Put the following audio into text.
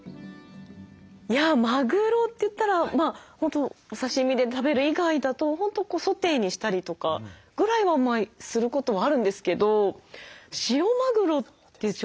いやマグロといったら本当お刺身で食べる以外だと本当ソテーにしたりとかぐらいはすることはあるんですけど塩マグロって調理法は知らなかった。